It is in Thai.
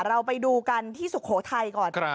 เราไปดูกันที่สุโขทัยก่อน